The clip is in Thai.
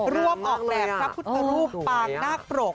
ร่วมออกแบบพระพุทธรูปปางนาคปรก